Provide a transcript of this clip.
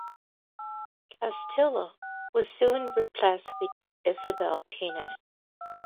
Castillo was soon replaced with Isabel Pena.